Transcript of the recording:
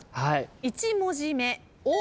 １文字目。